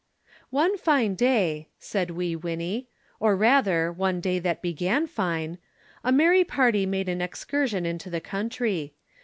"One fine day," said Wee Winnie, "or rather, one day that began fine, a merry party made an excursion into the country.